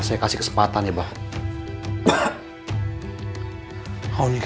sisi rumah ini